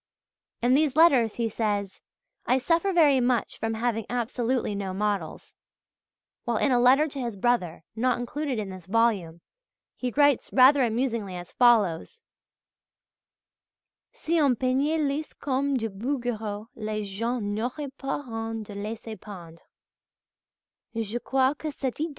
In these letters he says: "I suffer very much from having absolutely no models" (page 116); while in a letter to his brother, not included in this volume, he writes rather amusingly as follows: "Si on peignait lisse comme du Bouguereau les gens n'auraient pas honte de se laisser peindre.